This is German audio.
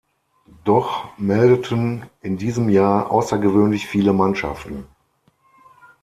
Doch meldeten in diesem Jahr außergewöhnlich viele Mannschaften.